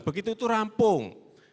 begitu itu rampung